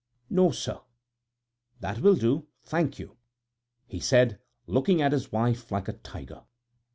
"No, sir." "That will do, thank you," he said, looking at his wife like a tiger.